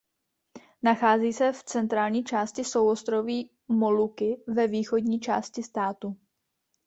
Nachází se v centrální části souostroví Moluky ve východní části státu.